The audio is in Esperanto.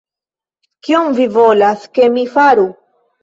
Kion vi volas, ke mi faru!